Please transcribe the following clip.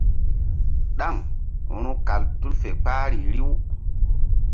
Ɗaŋ ru̧kal tul fe kpahri riw.